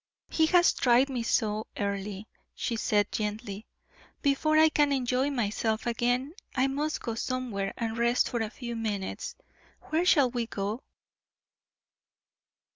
"He has tried me so, Earle," she said, gently. "Before I can enjoy myself again, I must go somewhere and rest for a few minutes. Where shall we go?"